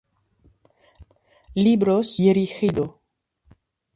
Libros Dirigido.